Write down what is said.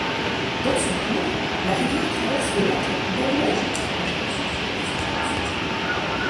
Dans son cours, la rivière traverse le Lac Nalluajuk en direction sud-est.